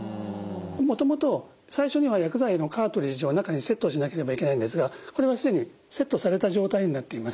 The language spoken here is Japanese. もともと最初には薬剤のカートリッジを中にセットしなければいけないんですがこれは既にセットされた状態になっています。